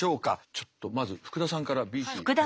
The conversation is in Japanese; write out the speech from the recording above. ちょっとまず福田さんから「ＢＣ」。